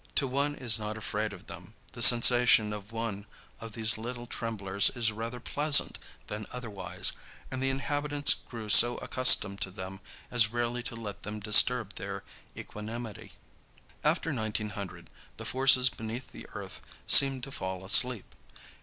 To one who is not afraid of them, the sensation of one of these little tremblers is rather pleasant than otherwise, and the inhabitants grew so accustomed to them as rarely to let them disturb their equanimity. After 1900 the forces beneath the earth seemed to fall asleep.